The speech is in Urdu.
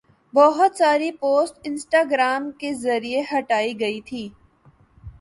بہت ساری پوسٹ انسٹاگرام کے ذریعہ ہٹائی گئی تھی